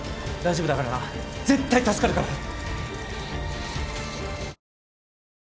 大丈夫だからな絶対助かるから。